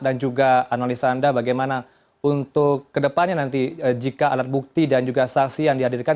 dan juga analisa anda bagaimana untuk kedepannya nanti jika alat bukti dan juga saksi yang dihadirkan